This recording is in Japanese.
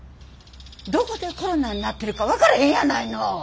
どこでコロナになってるか分からへんやないの。